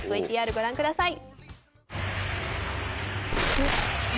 ＶＴＲご覧ください。